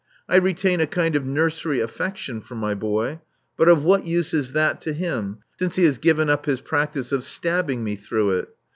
I retain a kind of nurserj affection for my boy ; but of what use is that to him, since he has given up his practice of stabbing mc through it?